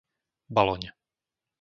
Baloň